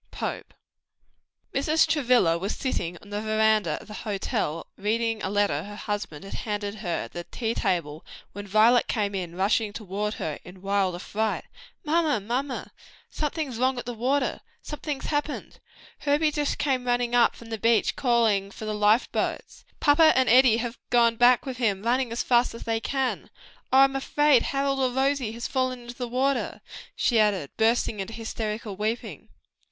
POPE. Mrs. Travilla was sitting on the veranda of the hotel, reading a letter her husband had handed her at the tea table, when Violet came rushing toward her in wild affright. "Mamma, mamma, something's wrong! something's happened! Herbie just came running up from the beach, calling for the life boat, and papa and Eddie have gone back with him running as fast as they can. Oh, I'm afraid Harold or Rosie has fallen into the water!" she added bursting into hysterical weeping.